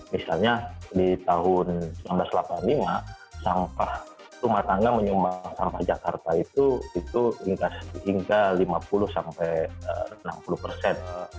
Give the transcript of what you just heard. misalnya di tahun seribu sembilan ratus delapan puluh lima sampah rumah tangga menyumbang sampah jakarta itu lintas hingga lima puluh sampai enam puluh persen